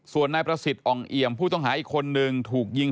ส่วนนายพระศิษย์อองเอี่ยมผู้ต้องหาอีกคนหนึ่ง